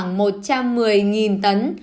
khoảng một trăm một mươi tấn